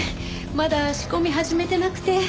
まだ仕込み始めてなくて。